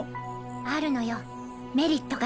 あるのよメリットが。